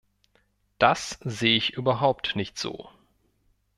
Das sehe ich überhaupt nicht so.